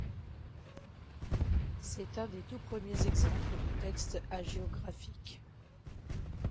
C'est un des tout premiers exemples de textes hagiographiques.